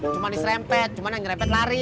cuma diserempet cuma yang ngerempet lari